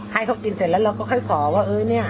แล้วก็ขอไป